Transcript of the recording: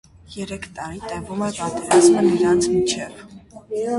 Երեք տարի տևում է պատերազմը նրանց միջև։